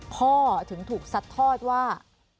พ่อถึงถูกซัดทอดว่า